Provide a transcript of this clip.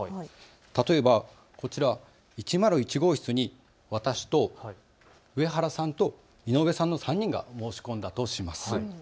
例えばこちら、１０１号室に私と上原さんと井上さんの３人が申し込んだとします。